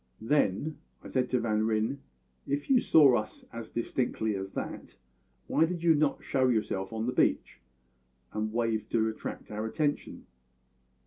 "Then," said I to Van Ryn, "if you saw us as distinctly as that, why did you not show yourself on the beach, and wave to attract our attention?"